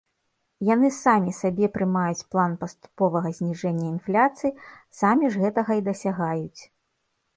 Яны самі сабе прымаюць план паступовага зніжэння інфляцыі, самі ж гэтага і дасягаюць.